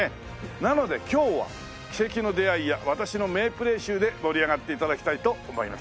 なので今日は奇跡の出会いや私の名プレー集で盛り上がって頂きたいと思います。